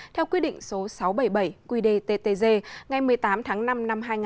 theo quy định số sáu trăm bảy mươi bảy quy đề ttg ngày một mươi tám tháng năm năm hai nghìn một mươi bảy